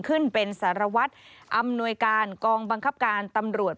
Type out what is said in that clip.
ขึ้นเป็นสารวัตรอำนวยการกองบังคับการตำรวจ